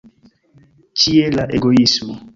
Ĉie, la egoismo!